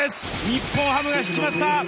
日本ハムが引きました。